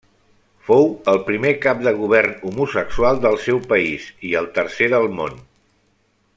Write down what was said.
Fou el primer cap de govern homosexual del seu país, i el tercer del món.